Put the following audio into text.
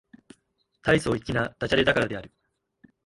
大層粋な駄洒落だからである